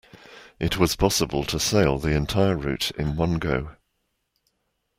It was possible to sail the entire route in one go.